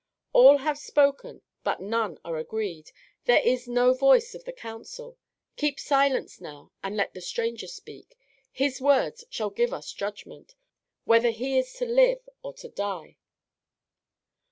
"All have spoken, but none are agreed. There is no voice of the council. Keep silence now, and let the stranger speak. His words shall give us judgment, whether he is to live or to die."